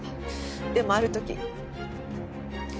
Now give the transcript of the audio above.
でもある時。